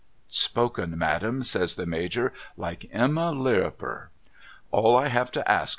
' Spoken Madam ' says the Major ' like Emma Lirriper. All I have to ask.